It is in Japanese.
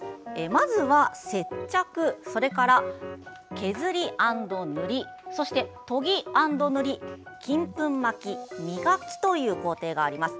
まずは、接着それから、削り＆塗りそして、研ぎ＆塗り金粉まき磨きという工程があります。